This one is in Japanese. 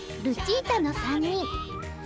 ルチータの３にん。